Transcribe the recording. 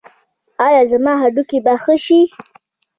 ایا زما هډوکي به ښه شي؟